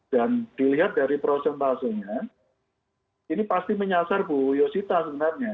dan dilihat dari prosen prosenya ini pasti menyasar bu yosita sebenarnya